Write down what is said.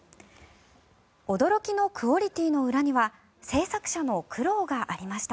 驚きのクオリティーの裏には制作者の苦労がありました。